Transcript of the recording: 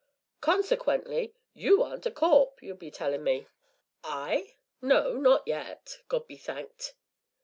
"Consequently, you aren't a corp', you'll be tellin me." "I? no, not yet, God be thanked!"